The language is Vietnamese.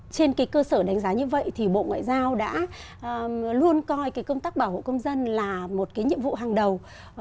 trên cơ sở đánh giá như vậy thì bộ ngoại giao đã luôn coi công tác bảo hộ công dân là một nhiệm vụ hàng đầu